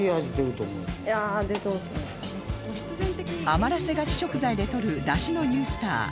余らせがち食材でとるダシのニュースター